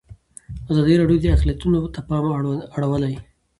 ازادي راډیو د اقلیتونه ته پام اړولی.